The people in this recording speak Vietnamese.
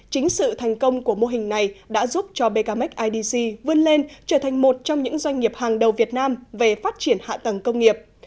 chính sự thành công của mô hình này đã giúp cho bkmac idc vươn lên trở thành một trong những doanh nghiệp hàng đầu việt nam về phát triển hạ tầng công nghiệp